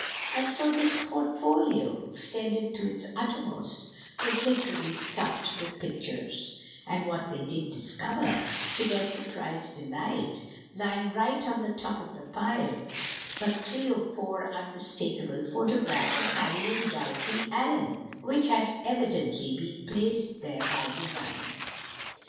And so this portfolio, extended to its uttermost, was literally stuffed with pictures; and what did they discover, to their surprised delight, lying right on the top of the pile, but three or four unmistakable photographs of Harry and Dorothy Allyn, which had evidently been placed there by design.